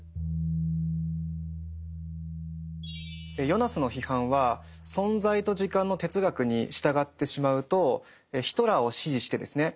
ヨナスの批判は「存在と時間」の哲学に従ってしまうとヒトラーを支持してですね